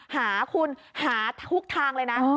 หาคุณหาทุกทางเลยนะ